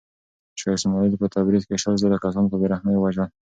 شاه اسماعیل په تبریز کې شل زره کسان په بې رحمۍ ووژل.